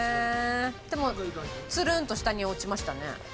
でもツルンと下に落ちましたね。